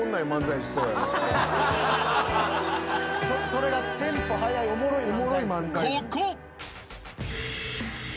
それがテンポ速いおもろい漫才する。